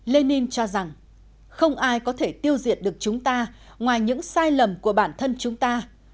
lenin cho rằng không ai có thể tiêu diệt được chúng ta ngoài những sai lầm của bản thân chúng ta